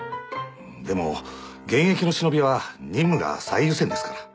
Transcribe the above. でも現役の忍びは任務が最優先ですから。